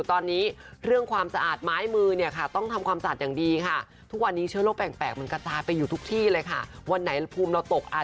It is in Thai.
ตรงนั้นจึงฝากเติมแฟนทุกคนนะคะ